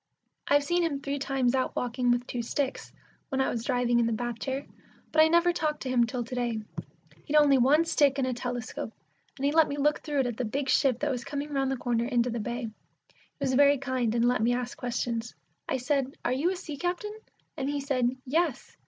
I've seen him three times out walking with two sticks, when I was driving in the bath chair, but I never talked to him till to day. He'd only one stick and a telescope, and he let me look through it at the big ship that was coming round the corner into the bay. He was very kind, and let me ask questions. I said, "Are you a sea captain?" and he said, "Yes."